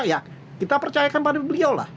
ya kita percayakan pada beliau lah